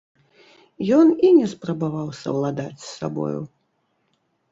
Ён і не спрабаваў саўладаць з сабою.